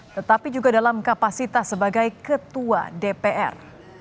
tetapi juga dalam kapasitas sebagai ketua dpr